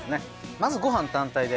まずごはん単体で。